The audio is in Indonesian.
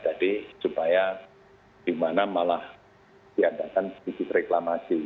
jadi supaya di mana malah diadakan sedikit reklamasi